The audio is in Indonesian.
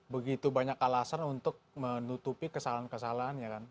begitu banyak alasan untuk menutupi kesalahan kesalahan ya kan